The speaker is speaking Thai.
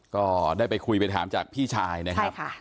ก็ได้ไปคุยไปถามจากพี่ชายนะครับ